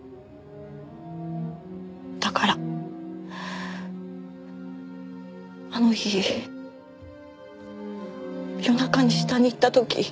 だからあの日夜中に下に行った時。